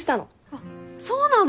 あっそうなの！